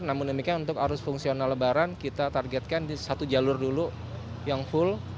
namun demikian untuk arus fungsional lebaran kita targetkan di satu jalur dulu yang full